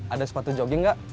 ada sepatu jogging nggak